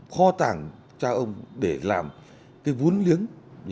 kho tảng cho ông để làm cái vốn liếng